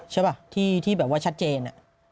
ใช่ป่ะที่แบบว่าชัดเจน